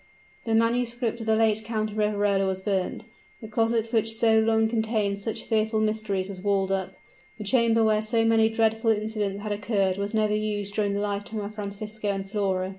The manuscript of the late Count of Riverola was burnt; the closet which so long contained such fearful mysteries was walled up; the chamber where so many dreadful incidents had occurred was never used during the lifetime of Francisco and Flora.